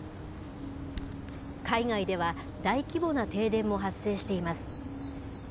海外では大規模な停電も発生しています。